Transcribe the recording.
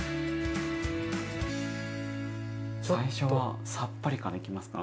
最初はさっぱりからいきますか？